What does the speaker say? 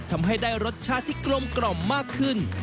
ทำให้ได้รสชาติที่กลมกล่อมมากขึ้น